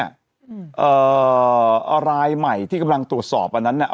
เอ่อรายใหม่ที่กำลังตรวจสอบอันนั้นน่ะ